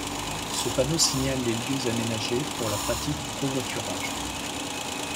Ce panneau signale les lieux aménagés pour la pratique du covoiturage.